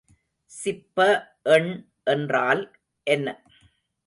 சிப்ப எண் என்றால் என்ன?